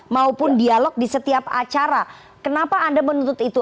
maupun dialog di setiap acara kenapa anda menuntut itu